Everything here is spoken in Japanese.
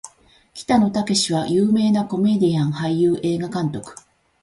北野武は有名なコメディアン・俳優・映画監督